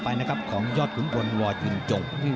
ต่อไปนะครับของยอดกลุ่มกวนวอดยุ่นจม